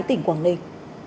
tỉnh quảng ninh